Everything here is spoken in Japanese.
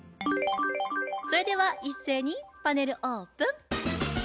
それでは一斉にパネルオープン。